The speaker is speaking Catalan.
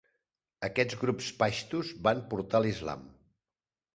Aquests grups paixtus van portar l'islam.